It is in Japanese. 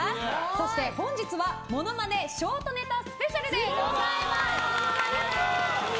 そして本日はモノマネショートネタスペシャルでございます。